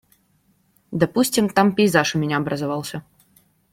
Допустим, там пейзаж у меня образовался.